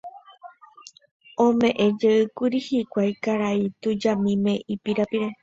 Ome'ẽjeýkuri hikuái karai tujamíme ipirapire